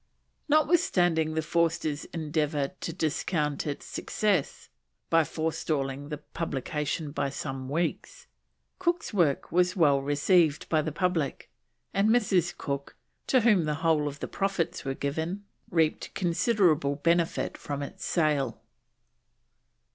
Notwithstanding the Forsters' endeavour to discount its success by forestalling the publication by some weeks, Cook's work was well received by the public, and Mrs. Cook, to whom the whole of the profits were given, reaped considerable benefit from its sale.